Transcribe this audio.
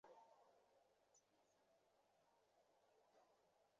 রাগে দুঃখে বাটুল শাহ প্রথম কয়েক ঘণ্টা কারও সঙ্গে কথাই বলল না।